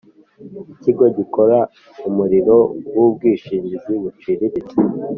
ikigo gikora umurimo w ubwishingizi buciriritse